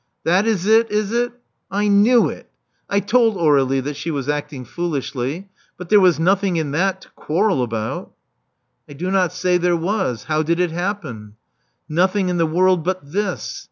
That is it, is it? I knew it: I told Aur^lie that she was acting foolishly. But there was nothing in that to quarrel about" I do not say there was. How did it happen?" '* Nothing in the world but this.